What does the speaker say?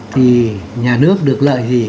thì nhà nước được lợi gì